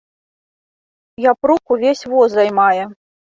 Япрук увесь воз займае.